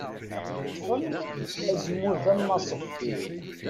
Ṭṭfen-d azemmur d amnaṣef.